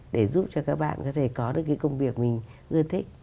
để giúp cho các bạn có thể có được cái công việc mình ưa thích